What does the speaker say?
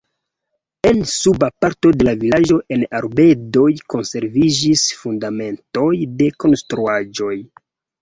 En suba parto de la vilaĝo en arbedoj konserviĝis fundamentoj de konstruaĵoj.